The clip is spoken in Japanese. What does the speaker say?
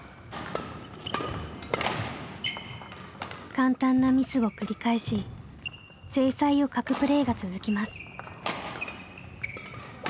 簡単なミスを繰り返し精彩を欠くプレーが続きます。